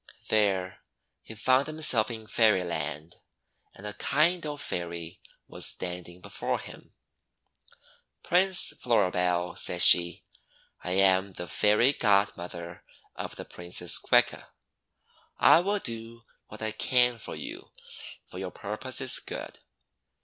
There he found himself in Fairyland; and a kind old Fairy was standing before him. :< Prince Floribel," said she, 'I am the Fairy Godmother of the Princess Coeca. I will do what I can for you, for your purpose is good.